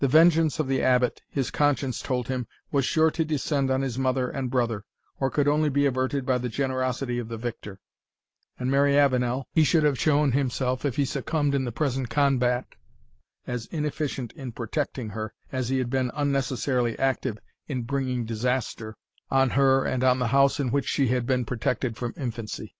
The vengeance of the Abbot, his conscience told him, was sure to descend on his mother and brother, or could only be averted by the generosity of the victor And Mary Avenel he should have shown himself, if he succumbed in the present combat, as inefficient in protecting her, as he had been unnecessarily active in bringing disaster on her, and on the house in which she had been protected from infancy.